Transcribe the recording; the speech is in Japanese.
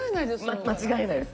間違えないです。